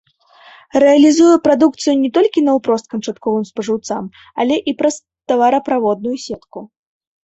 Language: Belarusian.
Рэалізуе прадукцыю не толькі наўпрост канчатковым спажыўцам, але і праз тавараправодную сетку.